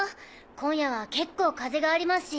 今夜は結構風がありますし